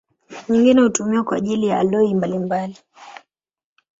Nyingine hutumiwa kwa ajili ya aloi mbalimbali.